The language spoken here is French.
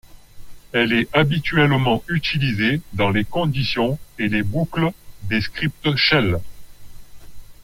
Elle est habituellement utilisée dans les conditions et les boucles des scripts shell.